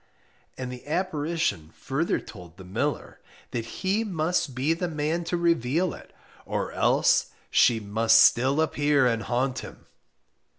And the apparition further told the miller that he must be the man to reveal it, or else she must still appear and haunt him.